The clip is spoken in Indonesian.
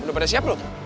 eh lo udah siap belum